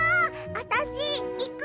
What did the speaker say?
あたしいく！